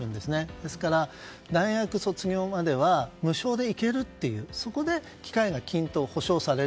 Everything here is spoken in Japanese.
ですから大学卒業までは無償で行けるというそこで機会均等が保証される。